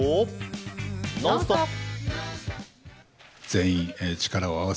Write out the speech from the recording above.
「ノンストップ！」